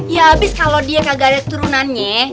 ya abis kalau dia kagak ada turunannya